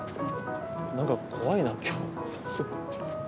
なんか怖いな今日。